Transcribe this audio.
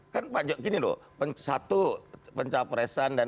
kan gini loh satu pencapresan dan